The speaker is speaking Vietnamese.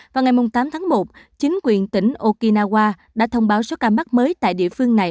vào ngày tám tháng một chính quyền tỉnh okinawa đã thông báo số ca mắc mới tại địa phương này